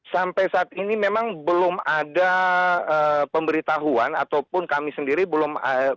sampai saat ini memang belum ada pemberitahuan ataupun kami sendiri belum